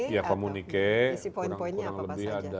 ya komunike kurang lebih ada